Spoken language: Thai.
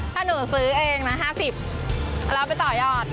ถ้าหนูซื้อเองนะ๕๐แล้วไปต่อยอด